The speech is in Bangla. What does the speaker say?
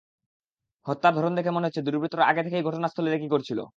হত্যার ধরন দেখে মনে হচ্ছে, দুর্বৃত্তরা আগে থেকেই ঘটনাস্থল রেকি করেছিল।